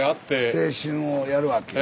青春をやるわけや。